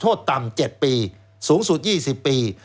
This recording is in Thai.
แล้วเขาก็ใช้วิธีการเหมือนกับในการ์ตูน